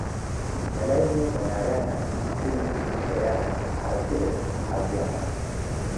مەلای نێو مەلایانە فەقێی نێو فەقێیانە حاجیە لە نێو حاجیانە